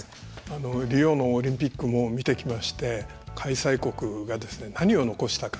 リオのオリンピックも見てきまして、開催国が何を残したか。